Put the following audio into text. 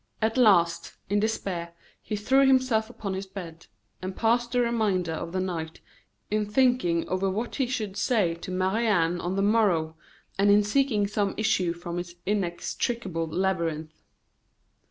At last, in despair, he threw himself upon his bed, and passed the remainder of the night in thinking over what he should say to Marie Anne on the morrow, and in seeking some issue from this inextricable labyrinth.